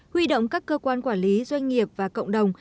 huy động các cơ quan quản lý doanh nghiệp và cộng đồng